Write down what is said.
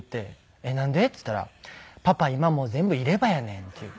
「えっなんで？」って言ったら「パパ今もう全部入れ歯やねん」っていう。